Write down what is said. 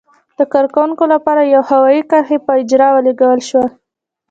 د کارکوونکو لپاره د یوې هوايي کرښې په اجاره ولګول شوه.